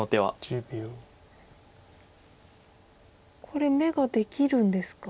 これ眼ができるんですか？